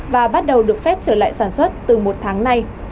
và bắt đầu được phép trở lại sản xuất từ một tháng nay